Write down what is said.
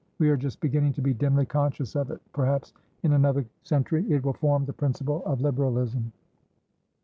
We are just beginning to be dimly conscious of it. Perhaps in another century it will form the principle of Liberalism."